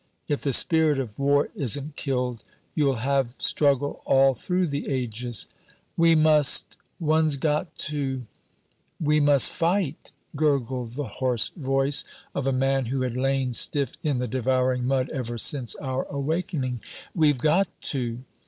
"If the spirit of war isn't killed, you'll have struggle all through the ages." "We must one's got to " "We must fight!" gurgled the hoarse voice of a man who had lain stiff in the devouring mud ever since our awakening; "we've got to!"